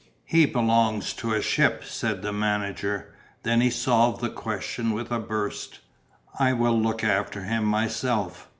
"He belongs to a ship," said the manager. Then he solved the question with a burst. "I will look after him myself."